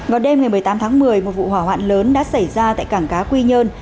vào đêm ngày một mươi tám tháng một mươi một vụ hỏa hoạn lớn đã xảy ra tại cảng cá quy nhơn